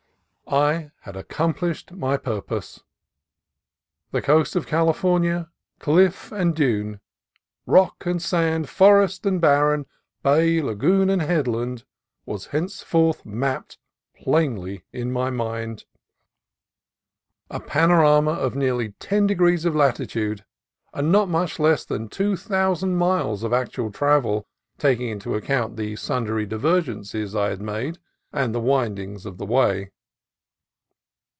I had accomplished my purpose. The coast of California, cliff and dune, rock and sand, forest and barren, bay, lagoon, and headland, was henceforth mapped plainly in my mind ; a panorama of nearly ten degrees of latitude and not much less than two thousand miles of actual travel, taking into account the sundry divergences I had made and the wind ings of the way.